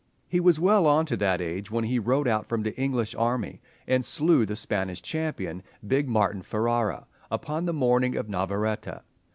He was well on to that age when he rode out from the English army and slew the Spanish champion, big Marten Ferrara, upon the morning of Navaretta.